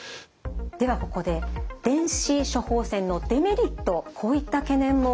ではここで電子処方箋のデメリットこういった懸念もされているんです。